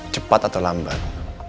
cepat atau lambat